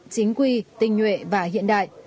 chính quy tình nguyện và hiện đại